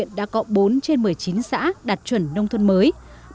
đến nay toàn huyện đã có bốn trên một mươi chín xã đạt chuẩn nông thôn mới